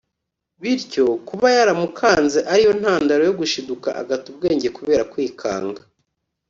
bityo kuba yaramukanze ari yo ntandaro yo gushiduka agata ubwenge kubera kwikanga